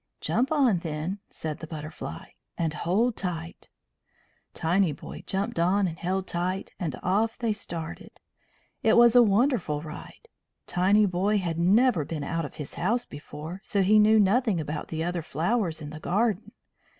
"Jump on, then," said the Butterfly, "and hold tight." Tinyboy jumped on and held tight, and off they started. It was a wonderful ride. Tinyboy had never been out of his house before, so he knew nothing about the other flowers in the garden.